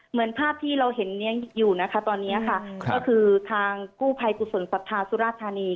เหมือนภาพที่เราเห็นอยู่นะคะตอนนี้ค่ะก็คือทางกู้ภัยกุศลศรัทธาสุราธานี